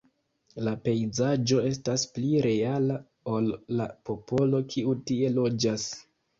La pejzaĝo “estas pli reala ol la popolo kiu tie loĝas.